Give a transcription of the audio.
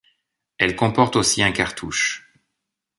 Elle comporte aussi un cartouche.